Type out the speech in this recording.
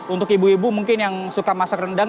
untuk ibu ibu mungkin yang suka masak rendang